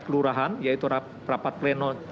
kelurahan yaitu rapat pleno